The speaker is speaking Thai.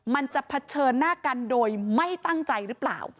มันจะเผชิญหน้ากันโดยไม่ตั้งใจหรือเปล่า